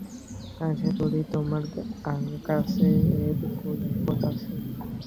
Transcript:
আশা করি তোমার কাছে এর কৈফিয়ত আছে।